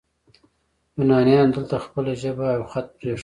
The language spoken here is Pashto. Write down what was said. یونانیانو دلته خپله ژبه او خط پریښود